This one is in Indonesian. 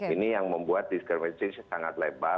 ini yang membuat diskresi sangat lebar